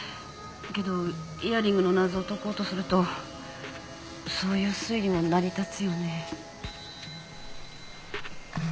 けどイヤリングの謎を解こうとするとそういう推理も成り立つよね。